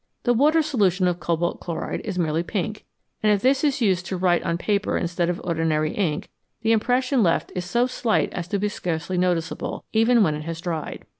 The water solution of cobalt chloride is merely pink, and if this is used to write on paper instead of ordinary ink, the impression left is so slight as to be scarcely noticeable, even when it has dried.